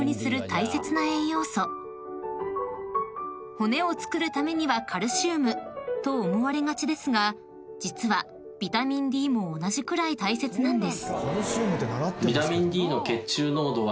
［骨をつくるためにはカルシウムと思われがちですが実はビタミンＤも同じくらい大切なんです］